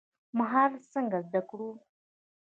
مهارت څنګه زده کړو؟